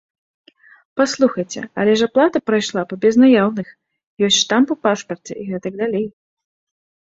Паслухайце, але ж аплата прайшла па безнаяўных, ёсць штамп у пашпарце і гэтак далей.